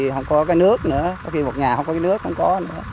không có cái nước nữa có khi một nhà không có cái nước không có nữa